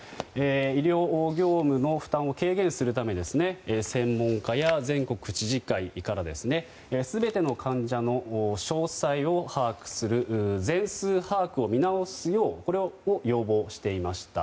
医療業務の負担を軽減するため専門家や全国知事会から全ての患者の詳細を把握する全数把握を見直すよう要望していました。